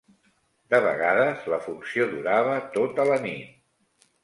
De vegades la funció durava tota la nit